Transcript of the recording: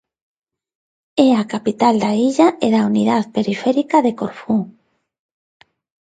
É a capital da illa e da Unidad periférica de Corfú.